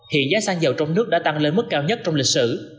hiện giá xăng dầu trong nước đã tăng lên mức cao nhất trong lịch sử